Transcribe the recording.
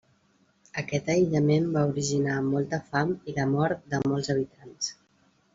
Aquest aïllament va originar molta fam i la mort de molts habitants.